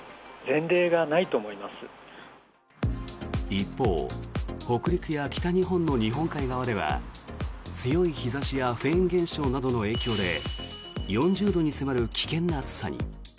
一方北陸や北日本の日本海側では強い日差しやフェーン現象などの影響で４０度に迫る危険な暑さに。